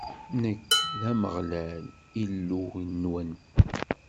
Nekk, d Ameɣlal, Illu-nwen.